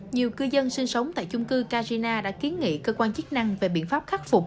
nhiều cư dân sinh sống tại chung cư carina đã kiến nghị cơ quan chức năng về biện pháp khắc phục